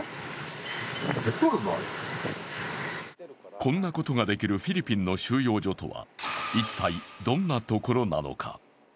こんなことができるフィリピンの収容所とは一体どんなところなのか。